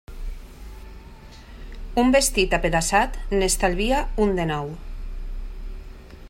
Un vestit apedaçat n'estalvia un de nou.